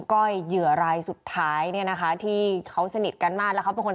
ก้อยเหยื่อรายสุดท้ายเนี่ยนะคะที่เขาสนิทกันมากแล้วเขาเป็นคน